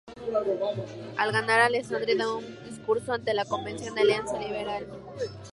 Al ganar Alessandri da un discurso ante la Convención de la Alianza Liberal.